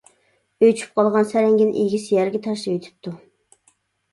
ئۆچۈپ قالغان سەرەڭگىنى ئىگىسى يەرگە تاشلىۋېتىپتۇ.